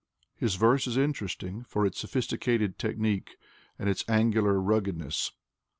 His verse is interesting for its sophisticated technique and its angular ruggedness.